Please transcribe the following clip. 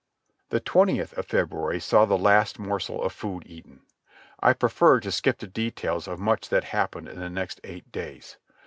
The twentieth of February saw the last morsel of food eaten. I prefer to skip the details of much that happened in the next eight days.